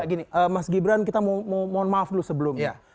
gini mas gibran kita mau mohon maaf dulu sebelumnya